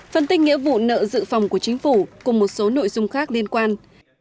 phân tích nghĩa vụ nợ dự phòng của chính phủ cùng một số nội dung khác liên quan